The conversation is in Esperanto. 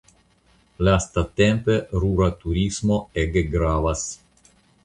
Lastatempe rura turismo ege gravas.